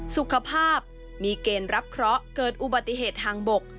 สุขภาพมีเกณฑ์รับเคราะห์เกิดอุบัติเหตุทางบก